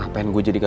sudah mulai adiknya